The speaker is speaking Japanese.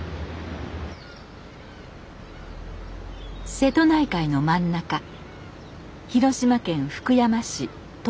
瀬戸内海の真ん中広島県福山市鞆の浦。